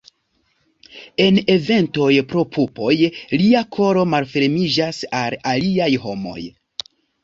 En eventoj pro pupoj, lia koro malfermiĝas al aliaj homoj.